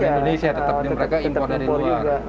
bukan buatan indonesia tetap mereka impor dari luar